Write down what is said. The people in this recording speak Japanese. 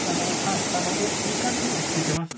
いやいい感じに落ち着いてます。